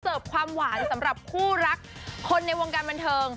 ความหวานสำหรับคู่รักคนในวงการบันเทิง